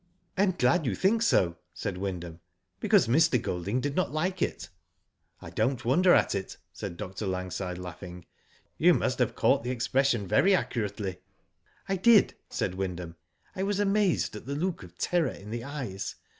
*'I am glad you think so," said Wyndham, *' be cause Mr. Golding did not like it." I don*t wonder at it," said Dr. Langside, laughing. " You must have caught the expression very accurately." *' I did," said Wyndham. " I was amazed at the look of terror in the eyes.